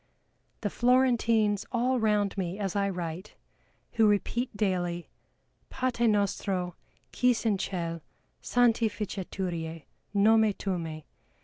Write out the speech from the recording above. The Florentines all round me as I write, who repeat daily, "Pate nostro quis in cell, santi ficeturie nome tumme!"